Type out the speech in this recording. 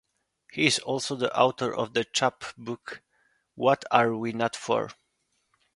He is also the author of the chapbook "What Are We Not For".